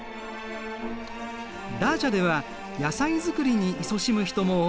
ダーチャでは野菜作りにいそしむ人も多い。